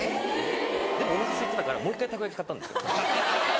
でもうおなかすいてたからもう一回たこ焼き買ったんです。